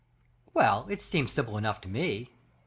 "Well, it seems simple enough to me.